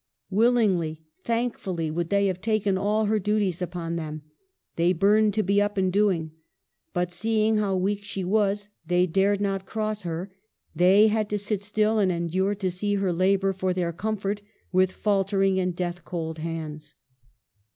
Willingly, thankfully would they have taken all her duties upon them ; they burned to be up and doing. But — seeing how weak she was — they dare not cross her ; they had to sit still and endure to see her labor for their comfort with faltering and death cold hands.